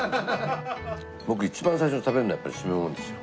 僕一番最初に食べるのはやっぱり〆ものですよ。